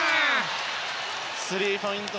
スリーポイント